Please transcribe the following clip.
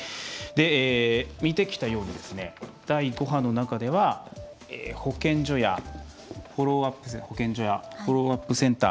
見てきたように、第５波の中では保健所がフォローアップセンター